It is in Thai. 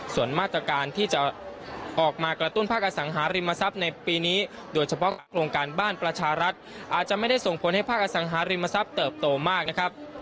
ส่วนมาตรการที่จะออกมากระตุ้นภาคอสังหาริมทรัพย์ในปีนี้โดยเฉพาะโครงการบ้านประชารัฐอาจจะไม่ได้ส่งผลให้ภาคอสังหาริมทรัพย์เติบโตมากนะครับ